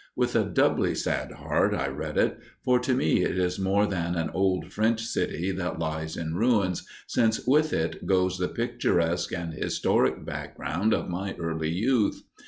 With a doubly sad heart I read it, for to me it is more than an old French city that lies in ruins, since with it goes the picturesque and historic background of my early youth.